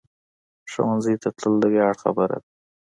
ښوونځی ته تلل د ویاړ خبره ده